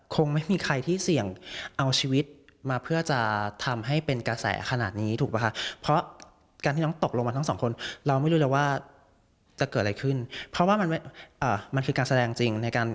คงไม่มีใครที่เสี่ยงเอาชีวิต